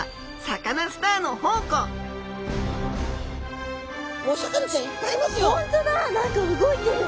何か動いてる！